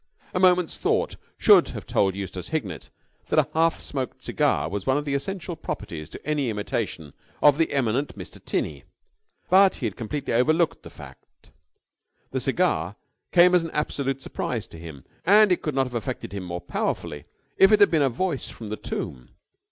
A moment's thought should have told Eustace Hignett that a half smoked cigar was one of the essential properties to any imitation of the eminent Mr. Tinney: but he had completely overlooked the fact. The cigar came as an absolute surprise to him and it could not have affected him more powerfully if it had been a voice from the tomb.